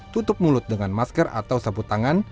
tutup mulut dengan masker atau sabut tangan